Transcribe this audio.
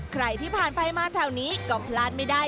ใครที่ผ่านไปมาแถวนี้ก็พลาดไม่ได้